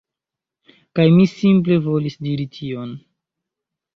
Kaj mi simple volis diri tion.